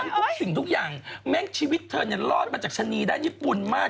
ทุกสิ่งทุกอย่างแม่งชีวิตเธอเนี่ยรอดมาจากชะนีด้านญี่ปุ่นมาก